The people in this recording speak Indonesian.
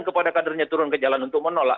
kepada kadernya turun ke jalan untuk menolak